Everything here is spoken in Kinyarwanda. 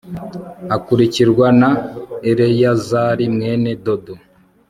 akurikirwa na eleyazari mwene dodo